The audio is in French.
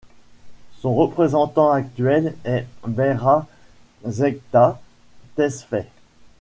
Son représentant actuel est Berha Zegta Tesfay.